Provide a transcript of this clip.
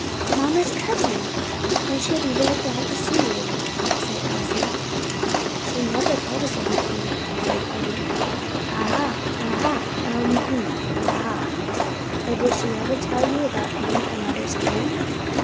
"Mamma's cousin! then she will be very glad to see you," said Elsie. "But she never told us about you," observed Eddie. "Ah ha, ah ha! um h'm! ah ha! But did she ever tell you about any of her mother's kin?"